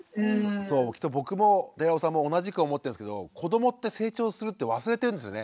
そうきっと僕も寺尾さんも同じく思ってるんですけども子どもって成長するって忘れてるんですよね。